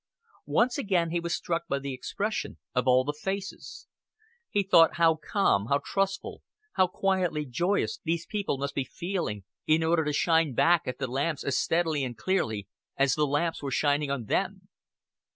Once again he was struck by the expression of all the faces. He thought how calm, how trustful, how quietly joyous these people must be feeling, in order to shine back at the lamps as steadily and clearly as the lamps were shining on them.